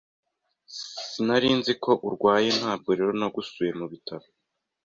Sinari nzi ko urwaye, ntabwo rero nagusuye mubitaro.